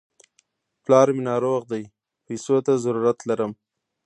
پلار مې ناروغ دی، پيسو ته ضرورت لرم.